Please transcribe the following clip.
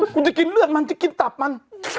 คุณจะกินเลือดมันจะกินตับมัน